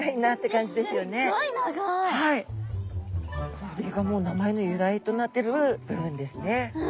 これがもう名前の由来となってる部分ですね。